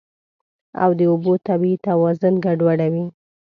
او د اوبو طبیعي توازن ګډوډوي.